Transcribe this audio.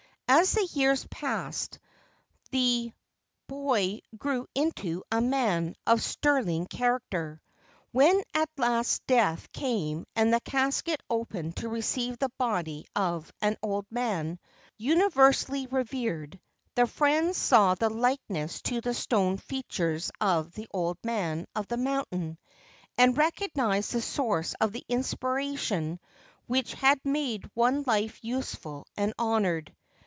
As the years passed, the boy grew into a man of sterling character. When at last death came and the casket opened to receive the body of an old man, universally revered, the friends saw the likeness to the stone features of the Old Man of the Mountain, and recognized the source of the inspiration which had made one life useful and honored.